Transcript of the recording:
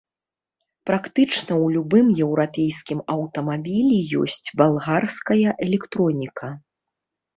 Практычна ў любым еўрапейскім аўтамабілі ёсць балгарская электроніка.